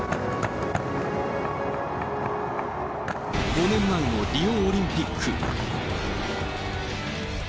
５年前のリオオリンピック。